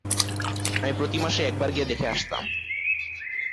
আমি প্রতিমাসে একবার গিয়ে দেখে আসতাম।